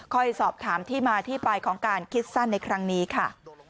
สอบถามที่มาที่ไปของการคิดสั้นในครั้งนี้ค่ะ